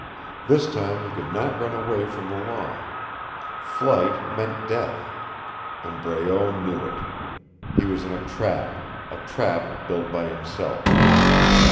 This time he could not run away from the law. Flight meant death. And Breault knew it. He was in a trap a trap built by himself.